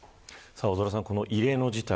大空さん、この異例の事態